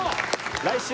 来週